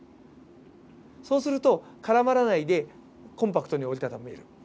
そうすると絡まらないでコンパクトに折りたためる。